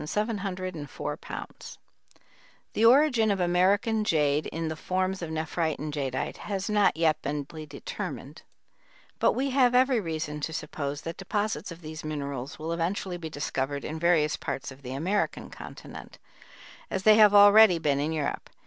The origin of American jade in the forms of nephrite and jadeite has not yet been definitely determined, but we have every reason to suppose that deposits of these minerals will eventually be discovered in various parts of the American continent, as they have already been in Europe.